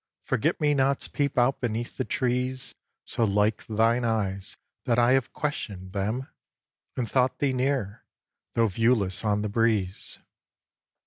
Forget Me Nots peep out beneath the trees So like thine eyes that I have question'd them, And thought thee near, though viewless on the breeze.